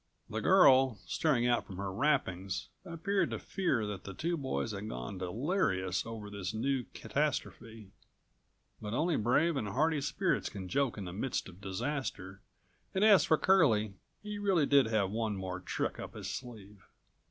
The girl, staring out from her wrappings, appeared to fear that the two boys had gone delirious over this new catastrophe. But only brave and hardy spirits can joke in216 the midst of disaster, and as for Curlie, he really did have one more trick up his sleeve.